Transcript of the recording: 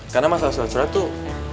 karena masalah seseorang tuh